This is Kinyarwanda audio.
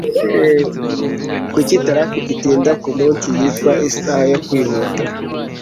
Kuki traffic itinda kumunsi yitwa 'isaha yo kwihuta'?